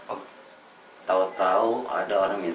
oh tahu tahu ada orang minta